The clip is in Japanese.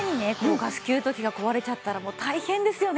ガス給湯器が壊れちゃったらもう大変ですよね。